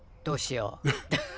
どうしよ？